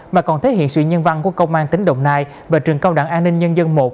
mà còn thể hiện sự nhân văn của công an tỉnh đồng nai và trường cao đẳng an ninh nhân dân một